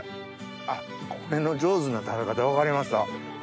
あっこれの上手な食べ方分かりました。